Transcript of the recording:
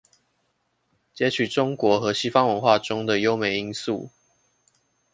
擷取中國和西方文化中的優美因素